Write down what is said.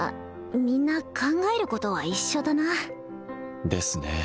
みんな考えることは一緒だなですね